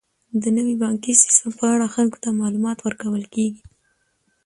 د نوي بانکي سیستم په اړه خلکو ته معلومات ورکول کیږي.